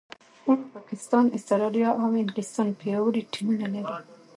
هند، پاکستان، استراليا او انګلستان پياوړي ټيمونه لري.